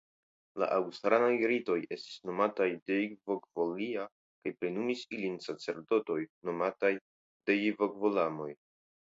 La ausranaj ritoj estis nomataj deivokvolia kaj plenumis ilin sacerdotoj nomataj deivokvolamoj.